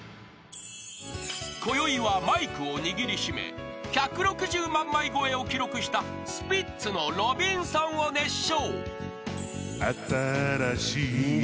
［こよいはマイクを握り締め１６０万枚超えを記録したスピッツの『ロビンソン』を熱唱］